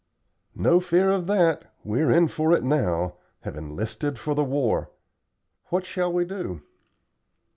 "No fear of that. We're in for it now have enlisted for the war. What shall we do?"